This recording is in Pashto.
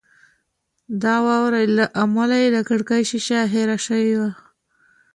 د واورې له امله د کړکۍ شیشه خیره شوې وه